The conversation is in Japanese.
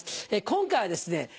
今回はですね